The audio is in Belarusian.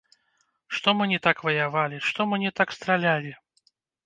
Што мы не так ваявалі, што мы не так стралялі.